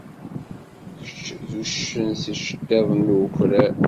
Kečč d uccen s yiceṭṭiḍen n ukrar.